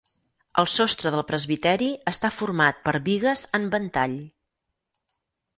El sostre del presbiteri està format per bigues en ventall.